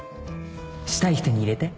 「したい人に入れて」